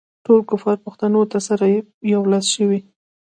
ټول کفار پښتنو ته سره یو لاس شوي.